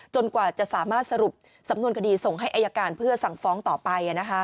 กว่าจะสามารถสรุปสำนวนคดีส่งให้อายการเพื่อสั่งฟ้องต่อไป